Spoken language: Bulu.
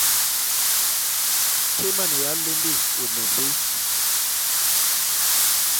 Tyé émaneya ya lende, one vé ?